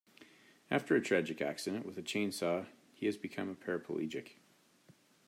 After a tragic accident with a chainsaw he has become a paraplegic.